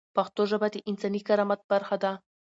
پښتو ژبه د انساني کرامت برخه ده.